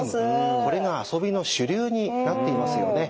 これが遊びの主流になっていますよね。